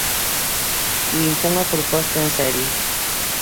Ningunha proposta en serio.